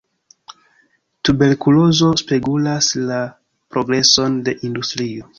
Tuberkulozo spegulas la progreson de industrio.